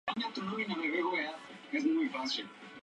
Utilizado en la industria de los aromas para producir sabores frutales.